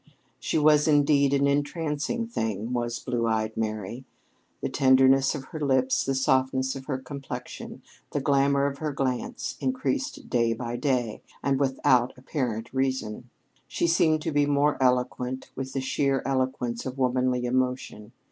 She was, indeed, an entrancing thing, was "Blue eyed Mary." The tenderness of her lips, the softness of her complexion, the glamour of her glance increased day by day, and without apparent reason. She seemed to be more eloquent, with the sheer eloquence of womanly emotion.